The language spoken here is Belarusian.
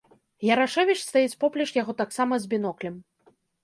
Ярашэвіч стаіць поплеч яго таксама з біноклем.